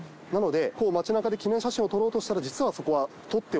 なので街中で記念写真を撮ろうとしたら実はそこは。